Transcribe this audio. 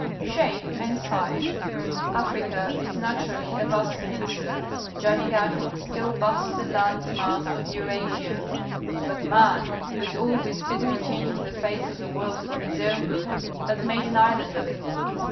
Shape and Size. — ^Africa is naturally a vast peninsula, jutting out from the still vaster land mass of Eurasia, but man, who is always busily changing the face of the world for his own good, has made an island of it.